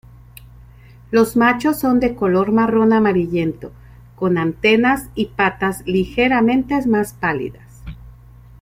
Los machos son de color marrón amarillento, con antenas y patas ligeramente más pálidas.